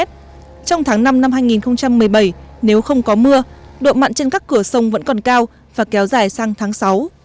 trong tháng năm năm hai nghìn một mươi bảy nếu không có mưa độ mặn trên các cửa sông vẫn còn cao và kéo dài sang tháng sáu